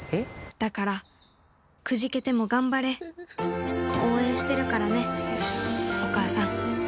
だからくじけても頑張れうぅ応援してるからねお母さんよし。